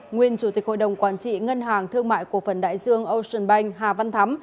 nguyên chủ tịch hội đồng quản trị ngân hàng thương mại cổ phần đại dương ocean bank hà văn thắm